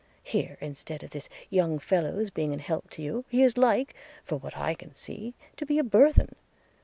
Here, instead of this young fellow's being an help to you, he is like, for what I can see, to be a burthen.